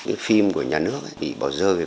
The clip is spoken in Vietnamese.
những phim của nhà nước bị bỏ rơi